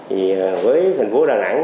thì với thành phố đà nẵng